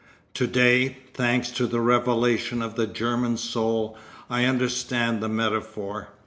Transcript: To day, thanks to the revelation of the German soul, I understand the metaphor.